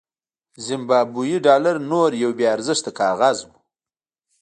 زیمبابويي ډالر نور یو بې ارزښته کاغذ و.